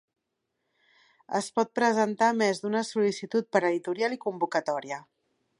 Es pot presentar més d'una sol·licitud per editorial i convocatòria.